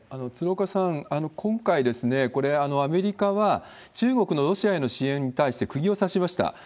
鶴岡さん、今回、これ、アメリカは中国のロシアへの支援に対してくぎを刺しました。